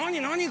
何？